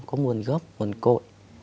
có nguồn gốc nguồn cội